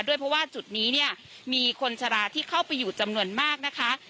ด้วยเพราะว่าจุดนี้เนี่ยมีคนชะลาที่เข้าไปอยู่จำนวนมากนะคะ